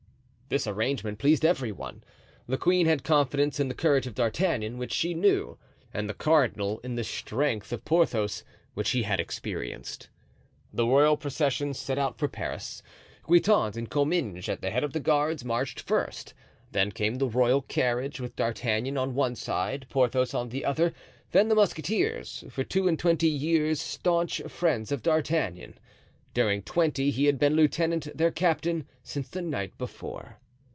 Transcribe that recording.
This arrangement pleased every one. The queen had confidence in the courage of D'Artagnan, which she knew, and the cardinal in the strength of Porthos, which he had experienced. The royal procession set out for Paris. Guitant and Comminges, at the head of the guards, marched first; then came the royal carriage, with D'Artagnan on one side, Porthos on the other; then the musketeers, for two and twenty years staunch friends of D'Artagnan. During twenty he had been lieutenant, their captain since the night before.